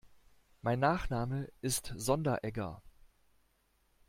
Mein Nachname ist Sonderegger.